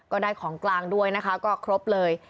ก็ได้ของกลางด้วยนะคะก็ครบเลย